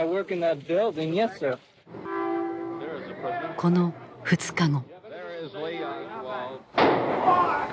この２日後。